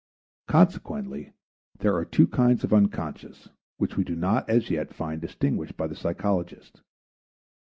Consequently there are two kinds of unconscious, which we do not as yet find distinguished by the psychologists.